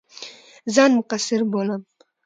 ځان مقصِر بولم.